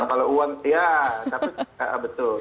kalau uang ya betul